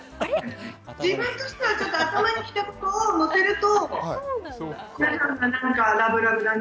自分としては頭にきたことを載せると。